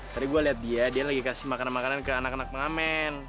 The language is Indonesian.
tadi gue lihat dia dia lagi kasih makanan makanan ke anak anak pengamen